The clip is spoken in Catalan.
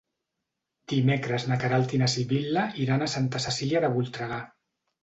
Dimecres na Queralt i na Sibil·la iran a Santa Cecília de Voltregà.